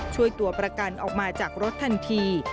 ช่วยตัวประกันออกมาจากรถทันที